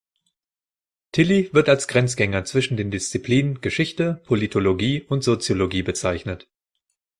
Tilly wird als Grenzgänger zwischen den Disziplinen Geschichte, Politologie und Soziologie bezeichnet.